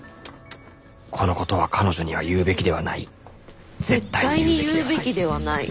このことは彼女には言うべきではない「絶対に言うべきではない」。